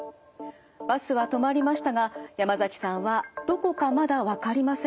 バスは止まりましたが山崎さんはどこかまだわかりません。